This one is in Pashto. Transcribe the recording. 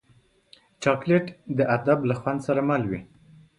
چاکلېټ د ادب له خوند سره مل وي.